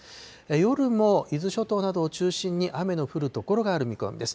夜も伊豆諸島などを中心に、雨の降る所がある見込みです。